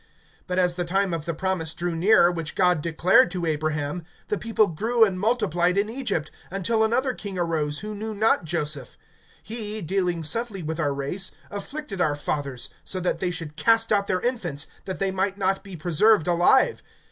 (17)But as the time of the promise drew near, which God declared to Abraham, the people grew and multiplied in Egypt, (18)until another king arose who knew not Joseph. (19)He, dealing subtly with our race, afflicted our fathers, so that they should cast out their infants, that they might not be preserved alive.